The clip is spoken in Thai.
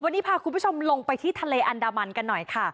วันนี้พาคุณผู้ชมลงไปที่ทะเลอันดามันกันหน่อยค่ะ